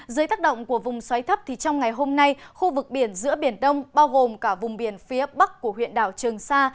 dưới tác động của vùng xoáy thấp trong ngày hôm nay khu vực biển giữa biển đông bao gồm cả vùng biển phía bắc của huyện đảo trường sa